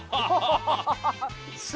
ハハハハハ！